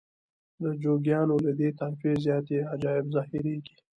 د جوګیانو له دې طایفې زیاتې عجایب ظاهریږي.